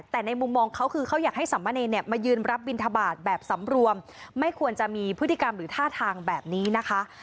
แต่ในมุมมองเขาคือเขาอยากให้สามเณรเนี่ยมายืนรับบินทบาทแบบสำรวมไม่ควรจะมีพฤติกรรมหรือท่าทางแบบนี้นะคะ